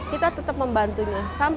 kita tetap membantunya